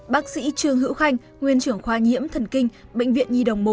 bác sĩ trương hữu khanh nguyên trưởng khoa nhiễm thần kinh bệnh viện nhi đồng một